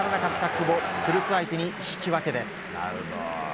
古巣相手に引き分けです。